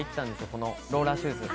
このローラーシューズ。